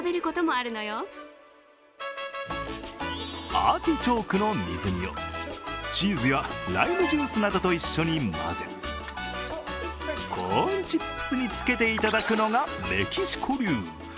アーティチョークの水煮をチーズやライムジュースなどと一緒に混ぜコーンチップスにつけていただくのがメキシコ流。